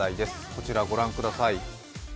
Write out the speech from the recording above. こちら、ご覧ください。